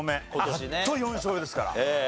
やっと４勝目ですから。